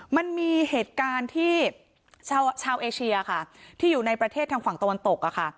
มันมีเหตุการณ์ที่ชาวเอเชียค่ะที่อยู่ในประเทศทางฝั่งตะวันตกอะค่ะ